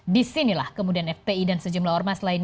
di sinilah kemudian fpi dan sejumlah ormas lainnya